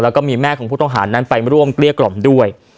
แล้วก็มีแม่ของผู้ต้องหานั้นไปร่วมเกลี้ยกล่อมด้วย